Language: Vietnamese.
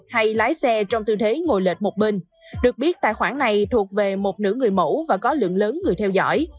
hay lái xe trong tư thế ngồi lệch một bên được biết tài khoản này thuộc về một nữ người mẫu và có lượng lớn người theo dõi